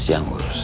agus yang uruskan